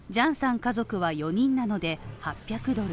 家族は４人なので、８００ドル